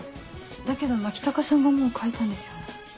だけど牧高さんがもう描いたんですよね？